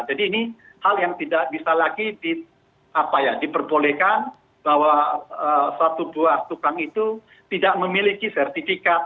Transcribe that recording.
jadi ini hal yang tidak bisa lagi diperbolehkan bahwa satu buah tukang itu tidak memiliki sertifikat